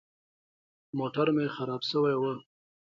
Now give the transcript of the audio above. موټر مې خراب سوى و.